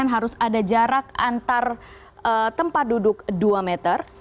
harus ada jarak antar tempat duduk dua meter